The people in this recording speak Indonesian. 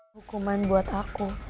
hukuman buat aku